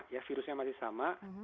ya virusnya masih sama